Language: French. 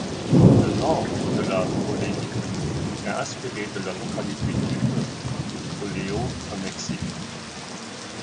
Le nom de la boléite est inspiré de la localité-type, Boleo au Mexique.